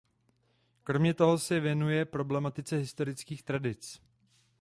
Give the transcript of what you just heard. Kromě toho se věnuje problematice historických tradic.